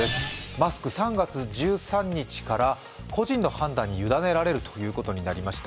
マスク、３月１３日から個人の判断に委ねられるということになりました。